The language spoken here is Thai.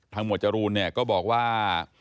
หมวดจรูนเนี่ยก็บอกว่า